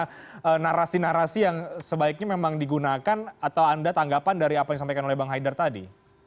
ada narasi narasi yang sebaiknya memang digunakan atau anda tanggapan dari apa yang disampaikan oleh bang haidar tadi